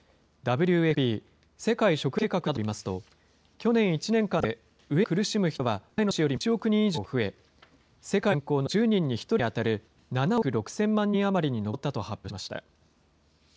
ＷＦＰ・世界食糧計画などの国連機関によりますと、去年１年間で飢えに苦しむ人は、前の年よりも１億人以上増え、世界の人口の１０人に１人に当たる７億６０００万人余りに上ったと発表しました。